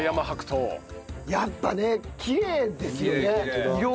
やっぱねきれいですよね色が。